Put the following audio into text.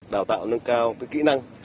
đào tạo nâng cao với kỹ năng